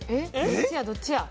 どっちやどっちや？